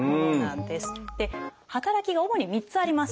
働きが主に３つあります。